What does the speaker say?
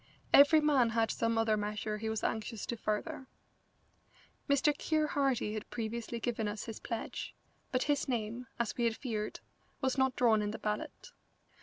Every man had some other measure he was anxious to further. Mr. Keir Hardie had previously given us his pledge, but his name, as we had feared, was not drawn in the ballot.